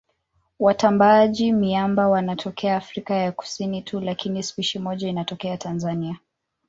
Watambaaji-miamba wanatokea Afrika ya Kusini tu lakini spishi moja inatokea Tanzania.